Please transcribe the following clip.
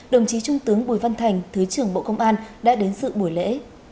đồng chí trung tướng bùi văn thành thứ trưởng bộ công an đã đến sự buổi lễ